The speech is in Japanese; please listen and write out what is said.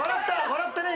笑ったね。